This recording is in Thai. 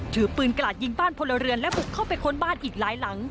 ถือปืนกระดยิงบ้านพลเรือนและบุกเข้าไปค้นบ้านอีกหลายหลัง